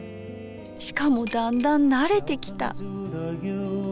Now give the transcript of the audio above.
しかもだんだん慣れてきた。